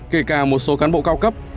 kể cả một số cán bộ cao cấp